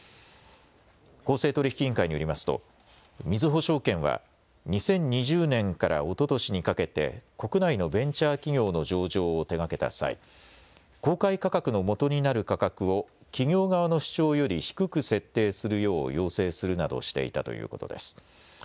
公正取引委員会によりますとみずほ証券は２０２０年からおととしにかけて国内のベンチャー企業の上場を手がけた際、公開価格のもとになる価格を企業側の主張より低く設定するよう要請するなどしていたということです。